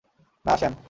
না, স্যাম!